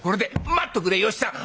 「待っとくれ芳さん。